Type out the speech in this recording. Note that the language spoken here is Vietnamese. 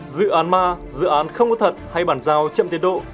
dự án ma dự án không có thật hay bản giao chậm tiến độ